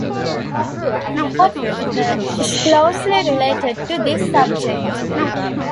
Water vapour is closely related to this subject.